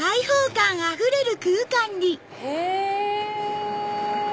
へぇ！